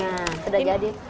nah sudah jadi